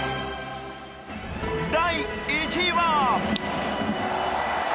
第１位は。